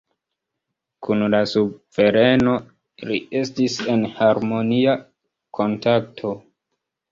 Kun la suvereno li estis en harmonia kontakto.